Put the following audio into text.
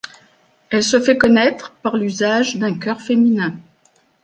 Elle se fait connaître par l'usage d'un chœur féminin.